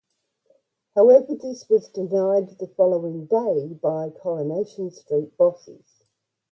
However this was denied the following day by "Coronation Street" bosses.